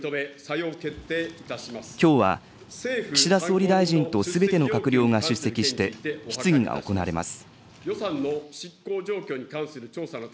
きょうは岸田総理大臣とすべての閣僚が出席して、質疑が行われます。